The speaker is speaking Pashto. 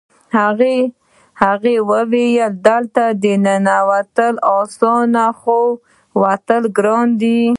هغه وویل چې دلته ننوتل اسانه خو وتل ګران دي